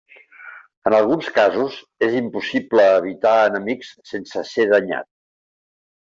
En alguns casos, és impossible evitar enemics sense ser danyat.